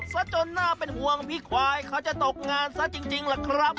ซะจนน่าเป็นห่วงพี่ควายเขาจะตกงานซะจริงล่ะครับ